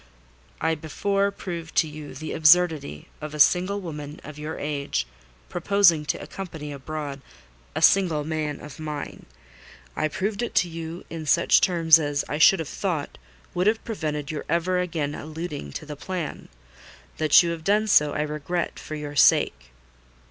"I before proved to you the absurdity of a single woman of your age proposing to accompany abroad a single man of mine. I proved it to you in such terms as, I should have thought, would have prevented your ever again alluding to the plan. That you have done so, I regret—for your sake."